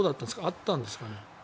あったんですかね？